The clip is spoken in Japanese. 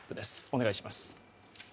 お願いします。